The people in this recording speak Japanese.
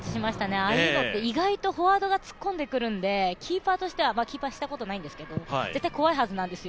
ああいうのって意外とフォワードが突っ込んでくるんでキーパーしたことないんですが、キーパーとしたら絶対怖いはずなんですよ。